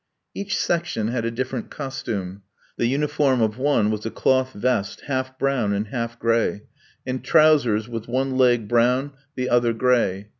Each section had a different costume. The uniform of one was a cloth vest, half brown and half gray, and trousers with one leg brown, the other gray.